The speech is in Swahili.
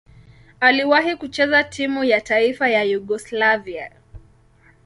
Aliwahi kucheza timu ya taifa ya Yugoslavia.